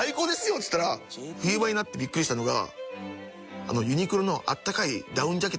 っつったら冬場になってビックリしたのが。